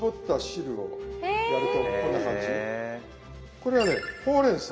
これはねほうれん草。